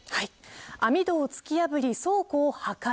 網戸を突き破り、倉庫を破壊。